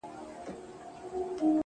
د ځوانيمرگ د هر غزل په سترگو کي يم;